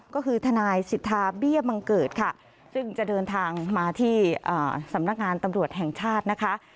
ก็คือทนายสิทธาเบี้ยบังเกิดค่ะซึ่งจะเดินทางมาที่สำนักงานตำรวจแห่งชาตินะคะ